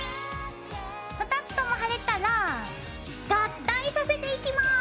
２つとも貼れたら合体させていきます。